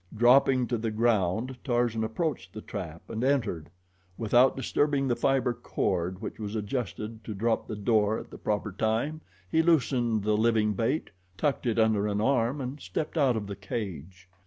Dropping to the ground, Tarzan approached the trap and entered. Without disturbing the fiber cord, which was adjusted to drop the door at the proper time, he loosened the living bait, tucked it under an arm and stepped out of the cage.